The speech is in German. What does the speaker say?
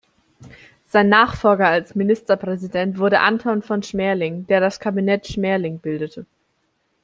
Sein Nachfolger als Ministerpräsident wurde Anton von Schmerling, der das Kabinett Schmerling bildete.